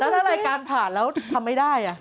ถ้ารายการผ่านแล้วทำไม่ได้